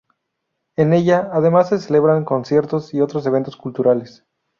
En ella, además, se celebran conciertos y otros eventos culturales.